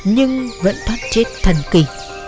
nhưng vẫn thoát chết thần kỳ